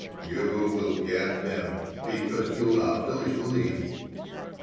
"You will get them because you love the little lady."